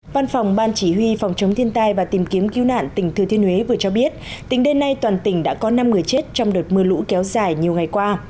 văn phòng ban chỉ huy phòng chống thiên tai và tìm kiếm cứu nạn tỉnh thừa thiên huế vừa cho biết tính đến nay toàn tỉnh đã có năm người chết trong đợt mưa lũ kéo dài nhiều ngày qua